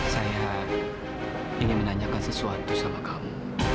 saya ingin menanyakan sesuatu sama kamu